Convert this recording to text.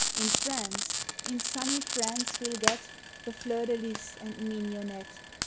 In France, in sunny France, we '11 get The fleur de lis and mignonette.